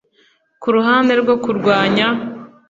ku ruhande rwo kurwanya